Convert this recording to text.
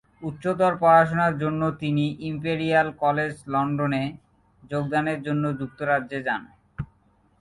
উচ্চতর পড়াশুনার জন্য তিনি ইম্পেরিয়াল কলেজ লন্ডনে যোগদানের জন্য যুক্তরাজ্যে যান।